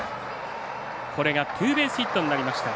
これがツーベースヒットになりました。